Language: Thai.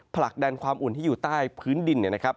ผลักดันความอุ่นที่อยู่ใต้พื้นดิน